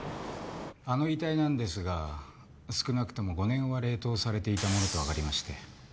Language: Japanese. あの遺体なんですが少なくとも５年は冷凍されていたものと分かりまして。